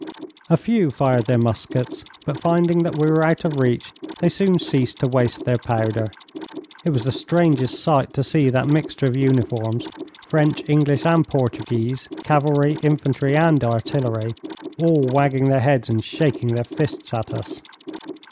A few fired their muskets, but finding that we were out of reach they soon ceased to waste their powder. It was the strangest sight to see that mixture of uniforms, French, English, and Portuguese, cavalry, infantry, and artillery, all wagging their heads and shaking their fists at us.